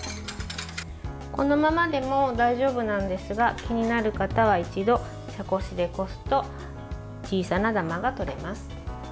このままでも大丈夫なんですが気になる方は一度茶こしでこすと小さなダマがとれます。